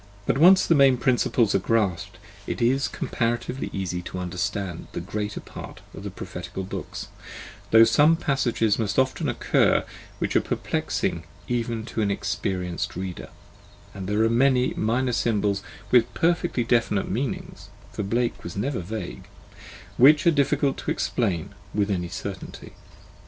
But when once the main principles are grasped, it is comparatively easy to understand the greater part of the prophetical books, though passages must often occur which are perplexing even to an experienced reader, and there are many minor symbols with perfectly definite meanings (for Blake was never vague), which are difficult to explain with any certainty.